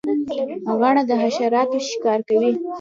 غڼه د حشراتو ښکار کوي